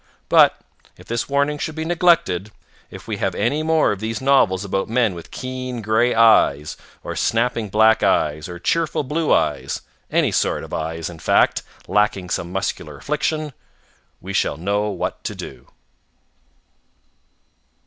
But, if this warning should be neglected, if we have any more of these novels about men with keen gray eyes or snapping black eyes or cheerful blue eyes any sort of eyes, in fact, lacking some muscular affliction, we shall know what to do.